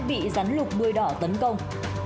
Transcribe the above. bị rắn lục bươi đỏ tấn công